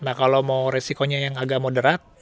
nah kalau mau resikonya yang agak moderat